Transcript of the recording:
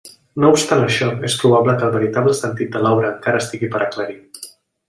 No obstant això, és probable que el veritable sentit de l'obra encara estigui per aclarir.